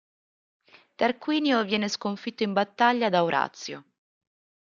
Tarquinio viene sconfitto in battaglia da Orazio.